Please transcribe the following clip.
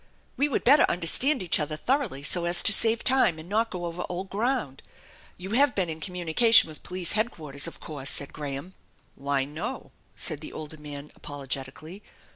We would better understand each other thoroughly so as to save time and not go over old ground. You have been in communication with Police Headquarters, of course ?" asked Graham. "Why, no," said the older man apologetically.